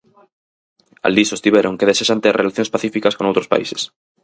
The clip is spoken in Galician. Alí sostiveron que desexan ter relacións pacíficas con outros países.